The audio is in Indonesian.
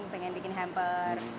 pengen bikin hamper